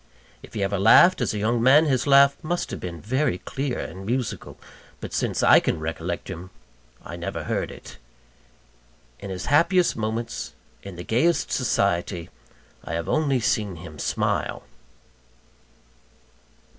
If he ever laughed, as a young man, his laugh must have been very clear and musical; but since I can recollect him, I never heard it. In his happiest moments, in the gayest society, I have only seen him smile.